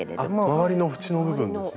周りの縁の部分ですね。